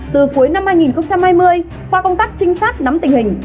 từ cuối năm hai nghìn hai mươi qua công tác trinh sát nắm tình hình